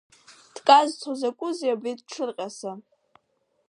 Дказцо закәызеи абри дҿырҟьаса!